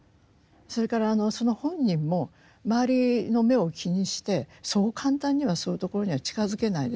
それからその本人も周りの目を気にしてそう簡単にはそういうところには近づけないです。